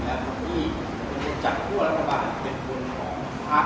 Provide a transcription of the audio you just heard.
ก็เรียกเป็นจัดทั่วรัฐบาลเป็นคนของพรรค